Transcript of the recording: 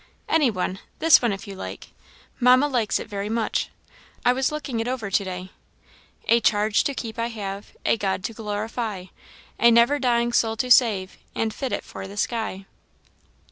"Any one this one, if you like. Mamma likes it very much. I was looking it over to day: 'A charge to keep I have, A God to glorify; A never dying soul to save And fit it for the sky.'